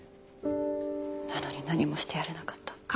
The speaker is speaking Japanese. なのに何もしてやれなかった。